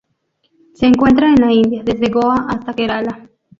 Se encuentra en la India: desde Goa hasta Kerala.